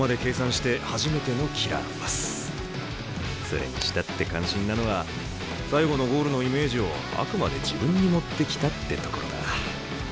それにしたって感心なのは最後のゴールのイメージをあくまで自分に持ってきたってところだ。